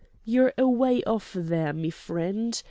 you're away off there, me friend.